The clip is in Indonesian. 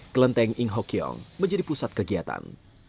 kelenteng ingho kiong menjadi pusat kegiatan